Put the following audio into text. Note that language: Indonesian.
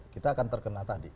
kita akan terkenal tadi